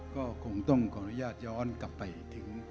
ก็คงต้องขออนุญาตย้อนกลับไปถึง